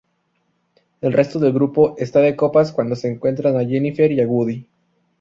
El resto del grupo está de copas cuando se encuentran a Jennifer y Woody.